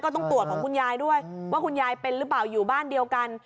ต้องตรวจของคุณยายด้วยว่าคุณยายเป็นหรือเปล่าอยู่บ้านเดียวกัน